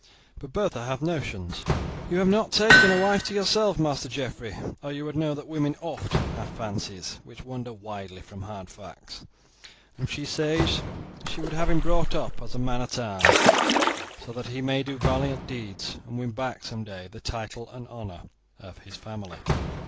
But Bertha hath notions. You have not taken a wife to yourself, Master Geoffrey, or you would know that women oft have fancies which wander widely from hard facts, and she says she would have him brought up as a man at arms, so that he may do valiant deeds, and win back some day the title and honour of his family."